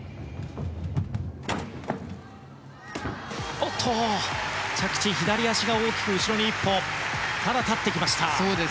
おっと着地、左足後ろに大きく１歩ただ、立ってきました。